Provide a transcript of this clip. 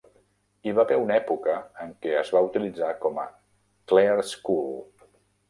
Hi va haver una època en què es va utilitzar com a Clare School.